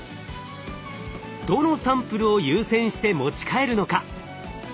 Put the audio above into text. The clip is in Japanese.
どのサンプルを優先して持ち帰るのか？